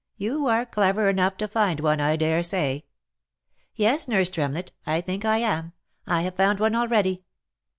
You are clever enough to find one, I dare say." " Yes, nurse Tremlett, I think I am — I have found one al ready."